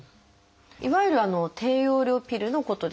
いわゆる低用量ピルのことですよね。